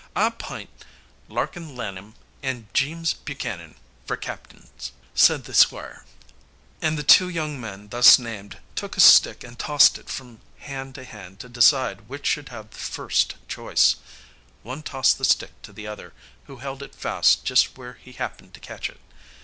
"I app'int Larkin Lanham and Jeems Buchanan fer captings," said the Squire. And the two young men thus named took a stick and tossed it from hand to hand to decide which should have the "first choice." One tossed the stick to the other, who held it fast just where he happened to catch it.